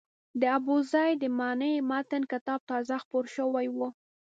د ابوزید د معنای متن کتاب تازه خپور شوی و.